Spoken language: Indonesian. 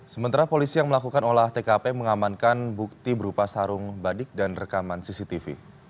sementara polisi yang melakukan olah tkp mengamankan bukti berupa sarung badik dan rekaman cctv